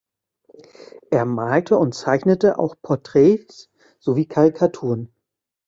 Er malte und zeichnete auch Porträts sowie Karikaturen.